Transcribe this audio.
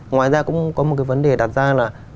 ngoài ra cũng có một cái vấn đề đặt ra là